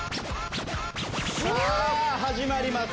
さあ始まります。